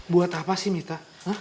buat apa sih mita